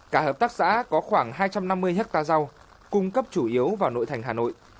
cả hợp tác xã có khoảng hai trăm năm mươi hectare rau cung cấp chủ yếu vào nội thành hà nội